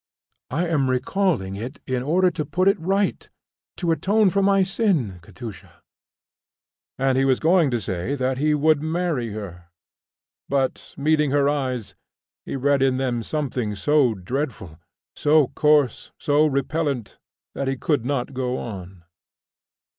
"I am recalling it in order to put it right, to atone for my sin, Katusha," and he was going to say that he would marry her, but, meeting her eyes, he read in them something so dreadful, so coarse, so repellent, that he could not go on.